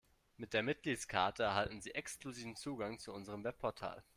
Mit der Mitgliedskarte erhalten Sie exklusiven Zugang zu unserem Webportal.